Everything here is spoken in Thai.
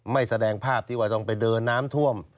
แสดงภาพที่ว่าต้องไปเดินน้ำท่วม